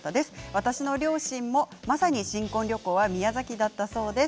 私の両親も、まさに新婚旅行は宮崎だったそうです。